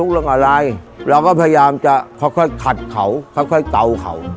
เราก็พยายามจะค่อยขัดเขาค่อยเกาเขา